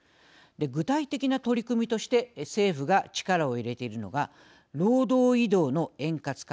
具体的な取り組みとして政府が力を入れているのが労働移動の円滑化